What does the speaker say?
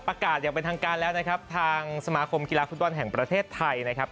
อย่างเป็นทางการแล้วนะครับทางสมาคมกีฬาฟุตบอลแห่งประเทศไทยนะครับ